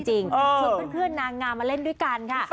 ชวนเพื่อนนางงามมาเล่นด้วยกันค่ะ